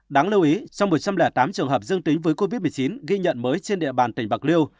đáng lưu ý trong một trăm linh tám trường hợp dương tính với covid một mươi chín ghi nhận mới trên địa bàn tỉnh bạc liêu